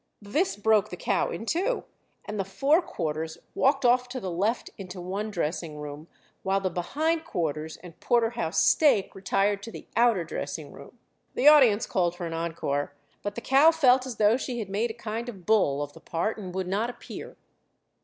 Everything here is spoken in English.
This broke the cow in two, and the fore quarters walked off to the left into one dressing room, while the behind quarters and porter house steak retired to the outer dressing room. The audience called for an encore; but the cow felt as though she had made a kind of a bull of the part, and would not appear.